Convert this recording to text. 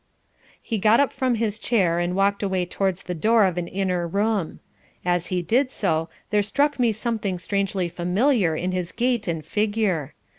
He got up from his chair and walked away towards the door of an inner room. As he did so, there struck me something strangely familiar in his gait and figure.